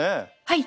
はい。